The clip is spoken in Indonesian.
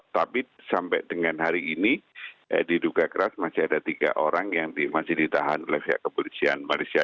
tapi sampai dengan hari ini diduga keras masih ada tiga orang yang masih ditahan oleh pihak kepolisian malaysia